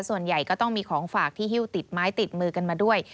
ส่วนใหญ่ก็ต้องมีของฝากที่ฮิ้วติดไม้ติดมือกันมาด้วย